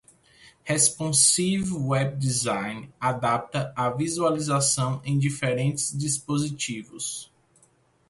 Responsive Web Design adapta a visualização em diferentes dispositivos.